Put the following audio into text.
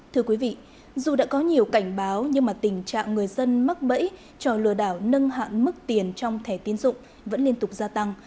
thưa quý vị dù đã có nhiều cảnh báo nhưng tình trạng người dân mắc bẫy cho lừa đảo nâng hạn mức tiền trong thẻ tiến dụng vẫn liên tục gia tăng